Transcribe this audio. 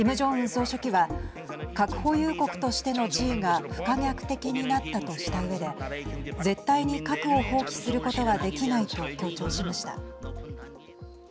総書記は核保有国としての地位が不可逆的になったとしたうえで絶対に核を放棄することはできないと強調しました。